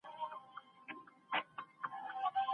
حقوق الله به کله بښل کېږي؟